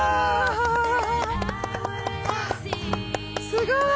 すごい！